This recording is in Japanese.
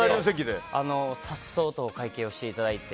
颯爽と会計をしていただいて。